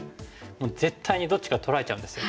もう絶対にどっちか取られちゃうんですよ。